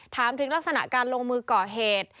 ถามถึงลักษณะการลงมือก่อเหตุ